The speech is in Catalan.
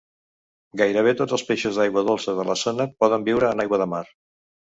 Gairebé tots els peixos d'aigua dolça de la zona poden viure en aigua de mar.